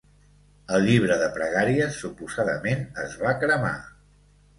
El llibre de pregàries suposadament es va cremar.